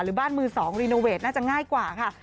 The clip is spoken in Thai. บ้านมือ๒รีโนเวทน่าจะง่ายกว่าค่ะ